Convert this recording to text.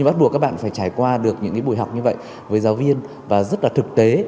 bắt buộc các bạn phải trải qua được những buổi học như vậy với giáo viên và rất là thực tế